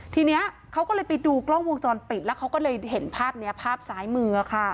ทีนี้เขาก็เลยไปดูกล้องวงจรปิดแล้วเขาก็เลยเห็นภาพนี้ภาพซ้ายมือค่ะ